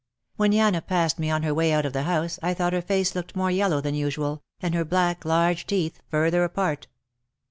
When Yana passed me on her way out of the house I thought her face looked more yellow than usual, and her black, large teeth further apart.